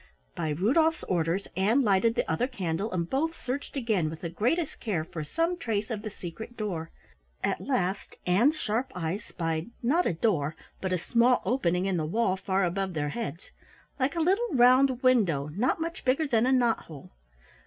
By Rudolf's orders, Ann lighted the other candle and both searched again with the greatest care for some trace of the secret door. At last Ann's sharp eyes spied not a door, but a small opening in the wall far above their heads, like a little round window not much bigger than a knothole.